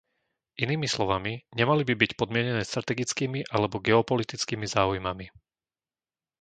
Inými slovami, nemali by byť podmienené strategickými alebo geopolitickými záujmami.